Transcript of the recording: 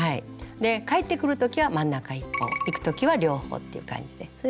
返ってくる時は真ん中１本行く時は両方っていう感じで。